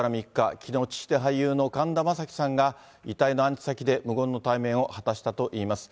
きのう、父で俳優の神田正輝さんが遺体の安置先で無言の対面を果たしたといいます。